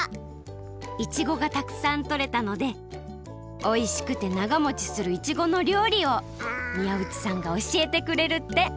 イチゴがたくさんとれたのでおいしくてながもちするイチゴのりょうりを宮内さんがおしえてくれるって！